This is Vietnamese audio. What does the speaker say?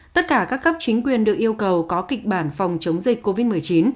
tất cả các cấp chính quyền được yêu cầu có kịch bản phòng chống dịch covid một mươi chín